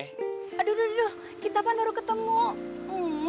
aduh dulu kita kan baru ketemu